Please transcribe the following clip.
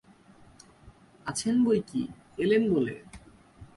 আছেন বৈকি, এলেন বলে।